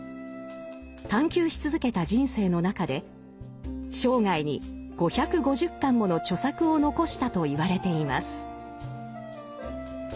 探求し続けた人生の中で生涯に５５０巻もの著作を残したといわれています。